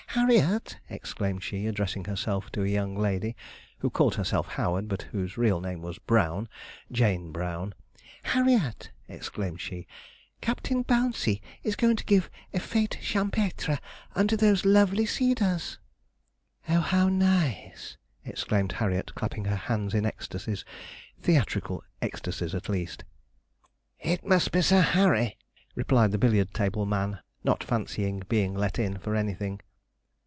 'Harriet!' exclaimed she, addressing herself to a young lady, who called herself Howard, but whose real name was Brown Jane Brown 'Harriet!' exclaimed she, 'Captain Bouncey is going to give a fête champêtre under those lovely cedars.' 'Oh, how nice!' exclaimed Harriet, clapping her hands in ecstasies theatrical ecstasies at least. 'It must be Sir Harry,' replied the billiard table man, not fancying being 'let in' for anything.